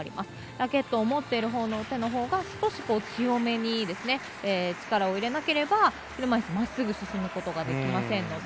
ラケットを持ってるほうの手のほうが少し強めに力を入れなければ車いす、まっすぐ進むことができませんので。